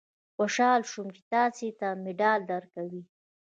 خوشاله شوم چې تاسې ته مډال درکوي.